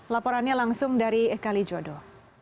laporannya langsung dari kalijodo